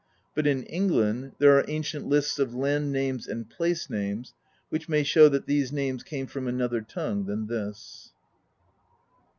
But in England there are ancient lists of land names and place names which may show that these names came from another tongue than this.